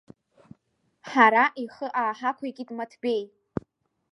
Ҳара ихы ааҳақәикит Маҭбеи.